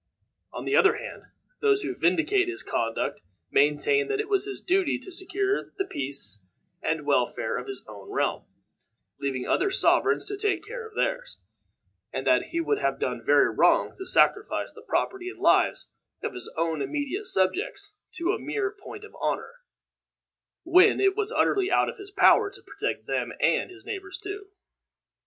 On the other hand, those who vindicate his conduct maintain that it was his duty to secure the peace and welfare of his own realm, leaving other sovereigns to take care of theirs; and that he would have done very wrong to sacrifice the property and lives of his own immediate subjects to a mere point of honor, when it was utterly out of his power to protect them and his neighbors too.